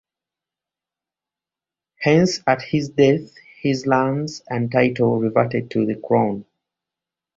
Hence at his death his lands and title reverted to the crown.